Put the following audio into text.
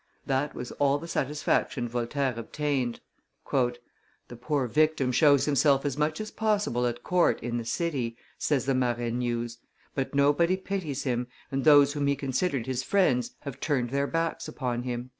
That was all the satisfaction Voltaire obtained. "The poor victim shows himself as much as possible at court, in the city," says the Marais news, "but nobody pities him, and those whom he considered his friends have turned their backs upon him."